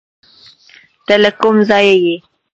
ته له کوم ځایه یې؟